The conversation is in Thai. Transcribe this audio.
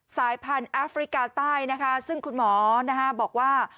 สายพันธุ์แอฟริกาใต้นะคะซึ่งคุณหมอบอกว่า